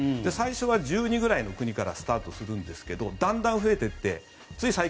最初は１２くらいの国からスタートするんですけどだんだん増えていってつい